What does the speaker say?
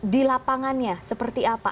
di lapangannya seperti apa